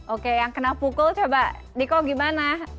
oke yang kena pukul coba diko gimana